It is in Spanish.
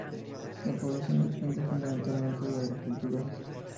La población depende fundamentalmente de la agricultura.